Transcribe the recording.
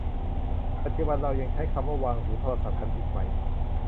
ปัจจุบันเรายังใช้คำว่าวางหูโทรศัพท์กันอีกไหม